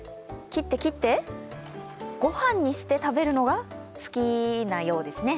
切って、切って、ご飯にして食べるのが好きなようですね。